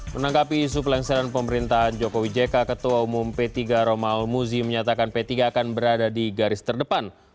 menanggapi isu pelengseran pemerintahan jokowi jk ketua umum p tiga romal muzi menyatakan p tiga akan berada di garis terdepan